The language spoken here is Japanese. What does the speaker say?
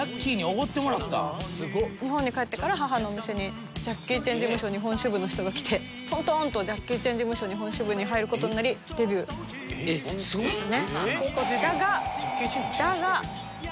日本に帰ってから母のお店にジャッキー・チェン事務所日本支部の人が来てトントンとジャッキー・チェン事務所日本支部に入る事になりデビューですね。